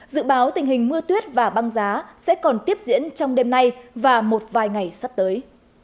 dự báo tình hình mưa tuyết và băng giá sẽ còn tiếp diễn trong đêm nay và một vài ngày sắp tới